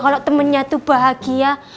kalau temennya tuh bahagia